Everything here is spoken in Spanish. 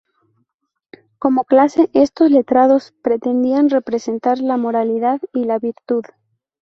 Como clase, estos letrados pretendían representar la moralidad y la virtud.